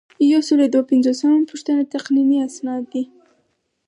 یو سل او دوه پنځوسمه پوښتنه تقنیني اسناد دي.